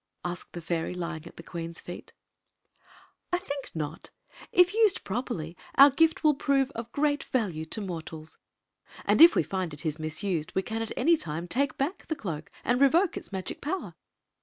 asked the fairy lying at the queen's feet " I think not If used prc^rly our gift will prove of great value to mortals. And if we find it is mis used we can at any time take back the cloak and revoke its magic power.